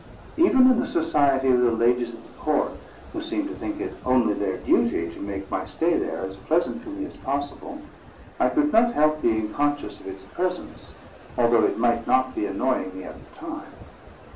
Even in the society of the ladies of the court, who seemed to think it only their duty to make my stay there as pleasant to me as possible, I could not help being conscious of its presence, although it might not be annoying me at the time.